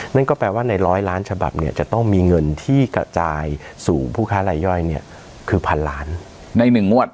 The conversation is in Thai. นั่นก็แปลว่าใน๑๐๐ล้านฉบับเนี่ยจะต้องมีเงินที่กระจายสู่ผู้ค้ายลายย่อยเนี่ยคือ๑๐๐๐๐๐๐บาท